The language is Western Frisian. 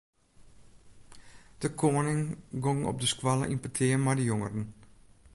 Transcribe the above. De koaning gong op de skoalle yn petear mei de jongeren.